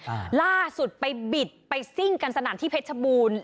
อ่าล่าสุดไปบิดไปซิ่งกันสนั่นที่เพชรบูรณ์